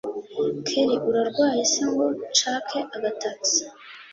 kelli urarwaye se ngo nshake agatax